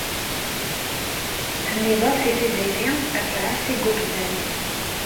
Tenniḍ-as i Tiziri ad tɛass igerdan.